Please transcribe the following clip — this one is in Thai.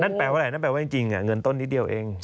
นั่นแปลว่าอะไรนั่นแปลว่าจริงเงินต้นนิดเดียวเอง